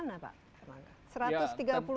ya bagaimana pak